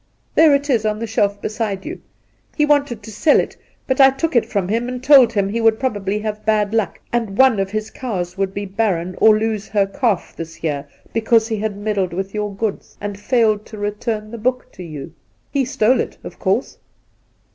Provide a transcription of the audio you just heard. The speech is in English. There it is on the shelf beside you. He wanted to sell it, but I took it from him, and told him he would probably have bad luck, and one of his cows would be barren or lose her calf this year because he had meddled Induna Nairn 99 with your goods, and failed to return the book to you. He stole it, of course